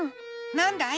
なんだい？